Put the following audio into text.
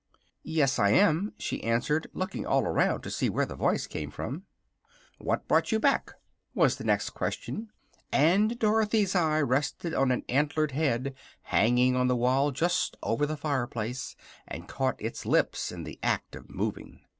"Yes, I am," she answered, looking all around to see where the voice came from. "What brought you back?" was the next question, and Dorothy's eye rested on an antlered head hanging on the wall just over the fireplace, and caught its lips in the act of moving.